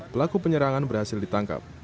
pelaku penyerangan berhasil ditangkap